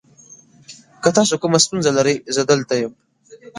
که تاسو کومه ستونزه لرئ، زه دلته یم.